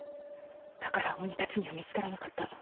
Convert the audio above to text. だから鬼たちには見つからなかった。